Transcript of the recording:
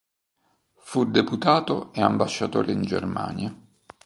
Fu deputato e ambasciatore in Germania.